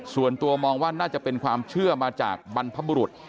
ส่วนตัวมองว่าน่าจะเป็นความเชื่อมาจากบรรพบุรุษ